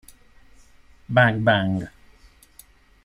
Bang Bang